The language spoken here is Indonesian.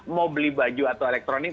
mau beli baju atau elektronik